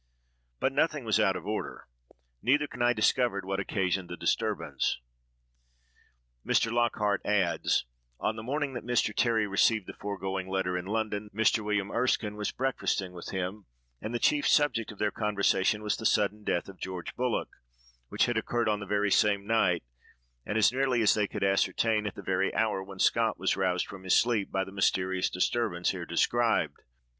But nothing was out of order, neither can I discover what occasioned the disturbance.'" Mr. Lockhart adds: "On the morning that Mr. Terry received the foregoing letter, in London, Mr. William Erskine was breakfasting with him, and the chief subject of their conversation was the sudden death of George Bullock, which had occurred on the same night, and, as nearly as they could ascertain, at the very hour when Scott was roused from his sleep by the 'mysterious disturbance' here described.